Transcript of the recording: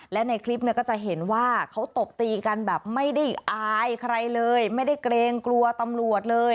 และในคลิปเนี่ยก็จะเห็นว่าเขาตบตีกันแบบไม่ได้อายใครเลยไม่ได้เกรงกลัวตำรวจเลย